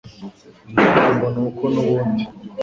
Impamvu ngo ni uko n'ubundi